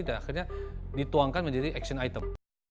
dan akhirnya dituangkan menjadi action item